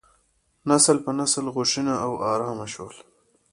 نسل په نسل غوښین او ارام شول.